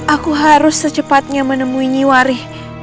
aku harus secepatnya menemui wari